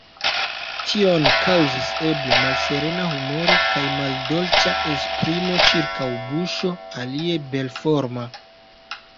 Tion kaŭzis, eble, malserena humoro kaj maldolĉa esprimo ĉirkaŭ buŝo, alie belforma.